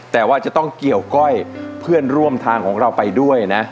แต่ว่าจะต้องเกี่ยวก้อยเพื่อนร่วมทางของเราไปด้วยนะ